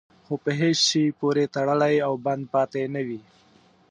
خو په هېڅ شي پورې تړلی او بند پاتې نه وي.